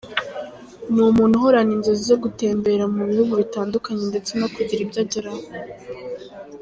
Ni umuntu uhorana inzozi zo gutemberera mu bihugu bitandukanye ndetse no kugira ibyo ageraho.